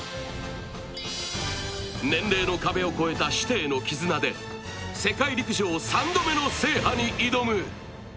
年齢の壁を越えた師弟の絆で世界陸上３度目の制覇に挑む。